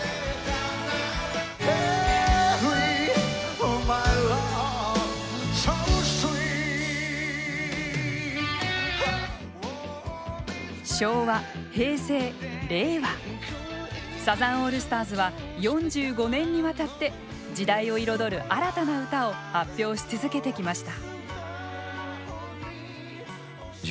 「エリーｍｙｌｏｖｅｓｏｓｗｅｅｔ」昭和平成令和サザンオールスターズは４５年にわたって時代を彩る新たな歌を発表し続けてきました。